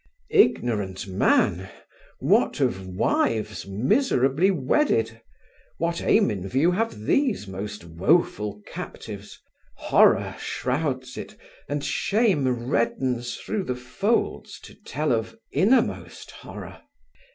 Ignorant man! What of wives miserably wedded? What aim in view have these most woeful captives? Horror shrouds it, and shame reddens through the folds to tell of innermost horror.